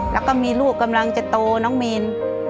แล้วก็มีลูกกำลังจะโตน้องมีน